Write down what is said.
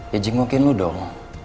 ya jengukin lu dong